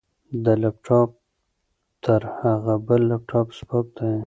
دا لپټاپ تر هغه بل لپټاپ سپک دی.